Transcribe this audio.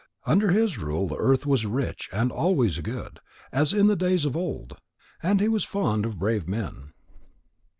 Under his rule the earth was rich and always good, as in the days of old. And he was fond of brave men.